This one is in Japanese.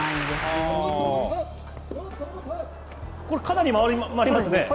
これ、かなり回りますね。